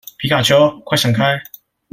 皮卡丘，快閃開